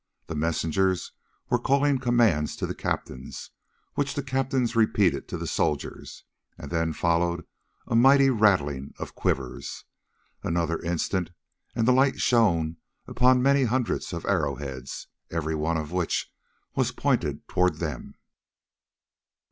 The messengers were calling commands to the captains, which the captains repeated to the soldiers, and then followed a mighty rattling of quivers. Another instant and the light shone upon many hundreds of arrow heads, every one of which was pointed towards them.